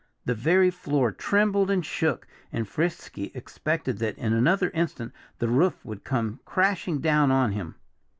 The very floor trembled and shook, and Frisky expected that in another instant the roof would come crashing down on him.